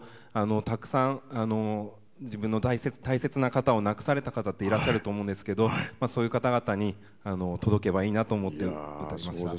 たくさん自分の大切な方を亡くされた方っていらっしゃると思いますけどそういう方々に届けばいいなと思っています。